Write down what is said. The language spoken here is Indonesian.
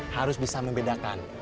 harus bisa membedakan